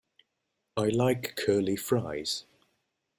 I like curly fries.